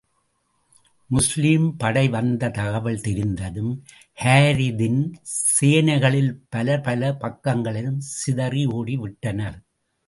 முஸ்லிம் படை வந்த தகவல் தெரிந்ததும், ஹாரிதின் சேனைகளில் பலர் பல பக்கங்களிலும் சிதறி ஓடி விட்டனர்.